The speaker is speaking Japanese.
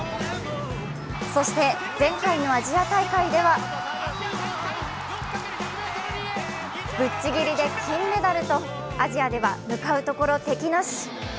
そして前回のアジア大会ではぶっちぎりで金メダルとアジアでは向かうところ敵なし。